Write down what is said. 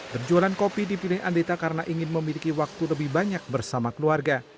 berjualan kopi dipilih andita karena ingin memiliki waktu lebih banyak bersama keluarga